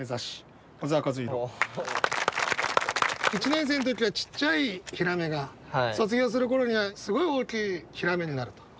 １年生の時はちっちゃいヒラメが卒業する頃にはすごい大きいヒラメになると。